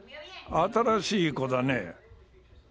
新しい子だね？